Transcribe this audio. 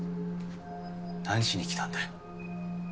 何しに来たんだよ。